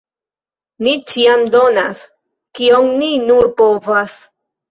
Ni ĉiam donas, kiom ni nur povas.